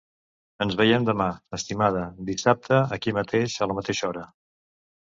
Ens veiem demà, estimada; dissabte, aquí mateix, a la mateixa hora...